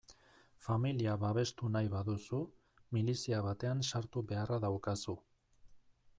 Familia babestu nahi baduzu, milizia batean sartu beharra daukazu.